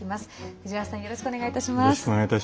藤原さんよろしくお願いいたします。